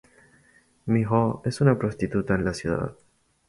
Miho es una prostituta en la ciudad.